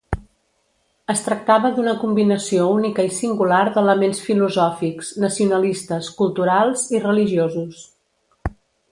Es tractava d'una combinació única i singular d'elements filosòfics, nacionalistes, culturals i religiosos.